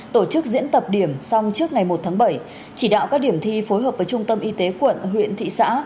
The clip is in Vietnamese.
tổ chức diễn tập điểm xong trước ngày một tháng bảy chỉ đạo các điểm thi phối hợp với trung tâm y tế quận huyện thị xã